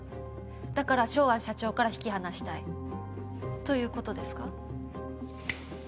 だからショウアン社長から引き離したい。ということですか？